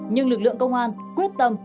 nhưng lực lượng công an quyết tâm